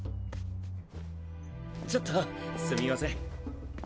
ちょっとすみません。